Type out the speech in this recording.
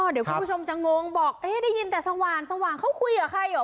เดี๋ยวคุณผู้ชมจะงงบอกเอ๊ะได้ยินแต่สว่างเขาคุยกับใครเหรอ